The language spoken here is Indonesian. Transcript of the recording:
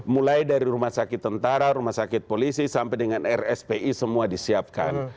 mulai dari rumah sakit tentara rumah sakit polisi sampai dengan rspi semua disiapkan